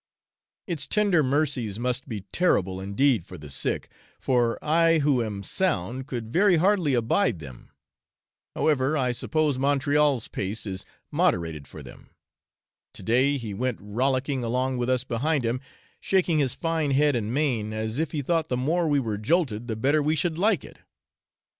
Its tender mercies must be terrible indeed for the sick, for I who am sound could very hardly abide them; however, I suppose Montreal's pace is moderated for them: to day he went rollicking along with us behind him, shaking his fine head and mane, as if he thought the more we were jolted the better we should like it.